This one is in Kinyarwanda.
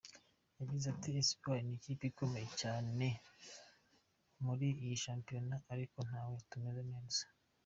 Yagize ati: “Espoir ni ikipe ikomeye cyane muri iyi shampiyona, ariko natwe tumeze neza.